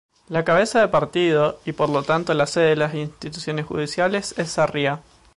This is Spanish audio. La cabeza de partido y por tanto sede de las instituciones judiciales es Sarria.